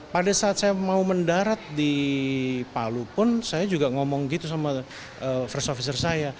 pada saat saya mau mendarat di palu pun saya juga ngomong gitu sama first officer saya